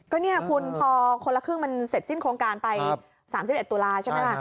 ก็เนี่ยคุณพอคนละครึ่งมันเสร็จสิ้นโครงการไป๓๑ตุลาใช่ไหมล่ะ